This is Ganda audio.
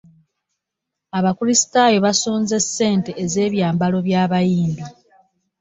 Abakristayo basonze ssente ez'ebyambalo by'abayimbi.